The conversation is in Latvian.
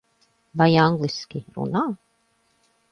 Vai angliski runā?